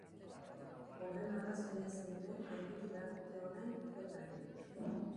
Horren arrazoia zein den argitu behar dute orain ikerlariek.